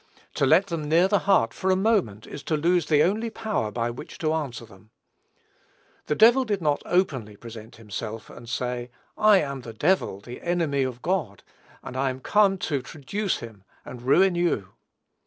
To let them near the heart, for a moment, is to lose the only power by which to answer them. The devil did not openly present himself and say, "I am the devil, the enemy of God, and I am come to traduce him, and ruin you."